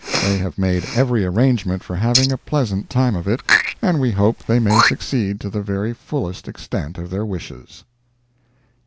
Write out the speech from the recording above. They have made every arrangement for having a pleasant time of it, and we hope they may succeed to the very fullest extent of their wishes.